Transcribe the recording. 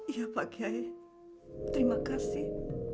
ya pak kiai terima kasih